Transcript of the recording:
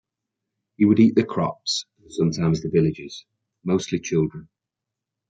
He would eat the crops and sometimes the villagers, mostly children.